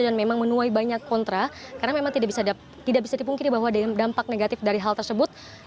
dan memang menuai banyak kontra karena memang tidak bisa dipungkiri bahwa ada dampak negatif dari hal tersebut